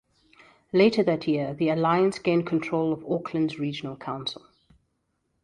Later that year, the Alliance gained control of Auckland's regional council.